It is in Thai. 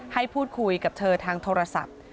ให้พูดคุยกับเธอทางโทรศัพท์